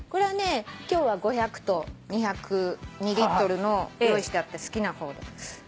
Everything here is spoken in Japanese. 今日は５００と２リットルの用意してあって好きな方で。